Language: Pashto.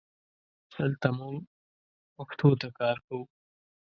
دلته مونږ پښتو ته کار کوو